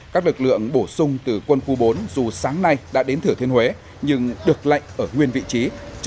các lực lượng bổ sung từ quân khu bốn dù sáng nay đã đến thửa thiên huế nhưng được lệnh ở nguyên vị trí